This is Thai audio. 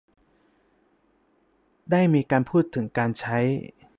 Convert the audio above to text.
ได้มีการพูดถึงการใช้